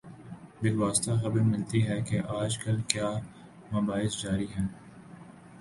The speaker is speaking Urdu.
بالواسطہ خبر ملتی ہے کہ آج کل کیا مباحث جاری ہیں۔